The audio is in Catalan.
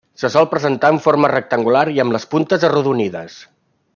Se sol presentar en forma rectangular i amb les puntes arrodonides.